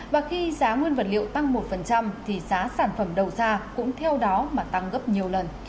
và khi giá nguyên vật liệu tăng một thì giá sản phẩm đầu ra cũng theo đó mà tăng gấp nhiều lần